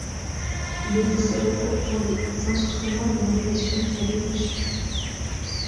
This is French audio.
Il était célèbre pour les instruments de navigation qu’il avait conçus.